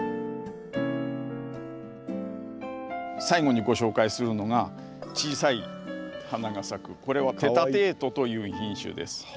最後にご紹介するのが小さい花が咲くこれは‘テタテート’という品種です。